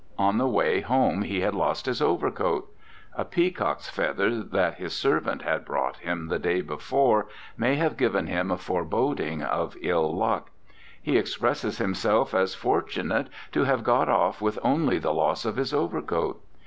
On the way home he had lost his overcoat. A pea cock's feather that his servant had brought him the day before may have given him a foreboding of ill luck; he expresses himself as fortunate to have got off with only the loss of his overcoat.